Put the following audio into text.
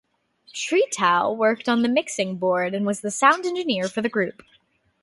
Tretow worked on the mixing board and was the sound engineer for the group.